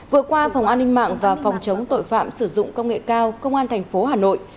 vừa qua phòng an ninh mạng và phòng chống tội phạm sử dụng công nghệ cao công an thành phố hà nội